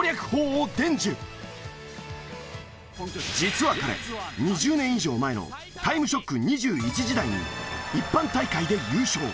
実は彼２０年以上前の『タイムショック２１』時代に一般大会で優勝。